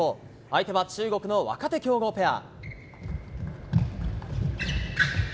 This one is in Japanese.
相手は中国の若手強豪ペア。